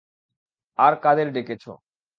আর কাদের ডেকেছো?